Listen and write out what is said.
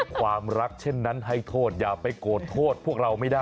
ความรักเช่นนั้นให้โทษอย่าไปโกรธโทษพวกเราไม่ได้